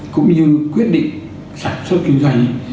cũng như quyết định sản xuất kinh doanh